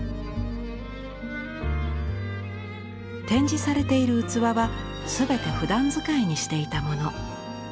展示されている器は全てふだん使いにしていたもの。